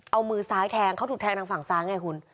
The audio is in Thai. เอามือซ้ายแทงเขาถูกแทงทางฝั่งซ้ายไงคุณ